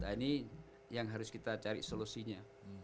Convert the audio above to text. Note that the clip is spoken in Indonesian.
nah ini yang harus kita cari solusinya